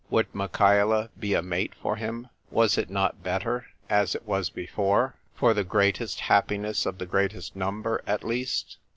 Would Michaela be a mate for him ? Was it not better as it was before — for the greatest happiness of the greatest number at least